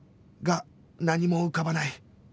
が何も浮かばない